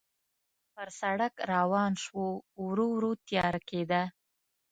پر سړک روان شوو، ورو ورو تیاره کېده.